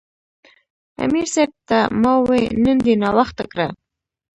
امیر صېب ته ما وې " نن دې ناوخته کړۀ "